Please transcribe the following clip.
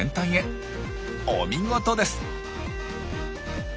お見事です！